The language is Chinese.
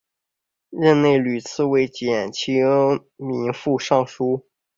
任内屡次为减轻民负上疏。